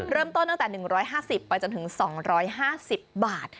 เริ่มต้นตั้งแต่๑๕๐บาทไปจนถึง๒๕๐บาท